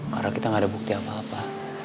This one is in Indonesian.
karena kita gak ada bukti apa apa